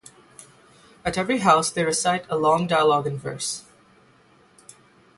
At every house they recite a long dialogue in verse.